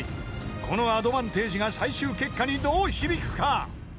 ［このアドバンテージが最終結果にどう響くか］